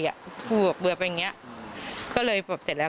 พูดแบบเบื่อไปอย่างเงี้ยก็เลยแบบเสร็จแล้ว